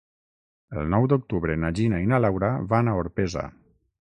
El nou d'octubre na Gina i na Laura van a Orpesa.